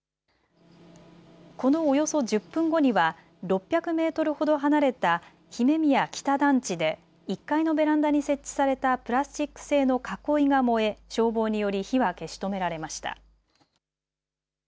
このおよそ１０分後には６００メートルほど離れた姫宮北団地で１階のベランダに設置されたプラスチック製の囲いが燃え、消防により火は消し止められました。